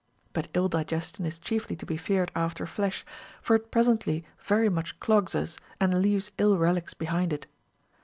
But ill digestion is chiefly to be feared after flesh, for it presently very much clogs us and leaves ill relics behind it.